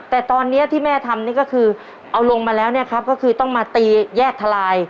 แต่ตอนนี้ที่แม่ทำนี่ก็คือเอาลงมาแล้วเนี่ยครับก็คือต้องมาตีแยกทลาย